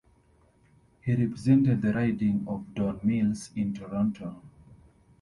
He represented the riding of Don Mills in Toronto.